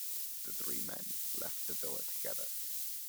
The three men left the Villa together.